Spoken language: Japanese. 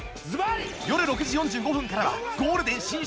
よる６時４５分からはゴールデン進出！